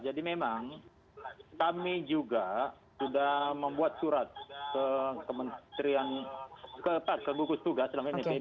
jadi memang kami juga sudah membuat surat ke bukit tugas selama ini